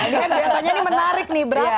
jadi kan biasanya ini menarik nih berapa